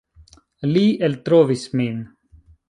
Li eltrovis min.